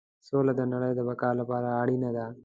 سوله د نړۍ د بقا لپاره اړینه ده.